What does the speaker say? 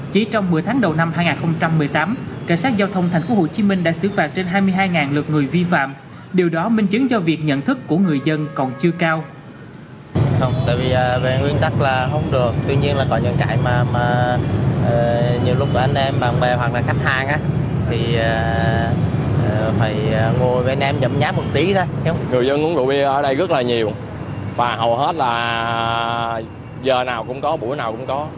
chỉ trong một mươi tháng đầu năm hai nghìn một mươi tám cảnh sát giao thông tp hcm đã xử phạt trên hai mươi hai lượt người vi phạm điều đó minh chứng cho việc nhận thức của người dân còn chưa cao